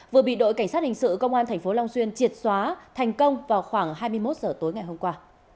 vừa bị đội cảnh sát hình sự công an tp long xuyên triệt xóa thành công vào khoảng hai mươi một h tối ngày hôm qua